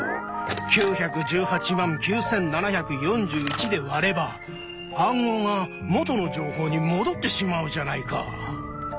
９１８９７４１で割れば暗号が「元の情報」にもどってしまうじゃないか。